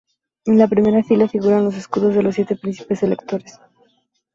En la primera fila figuran los escudos de los siete príncipes electores.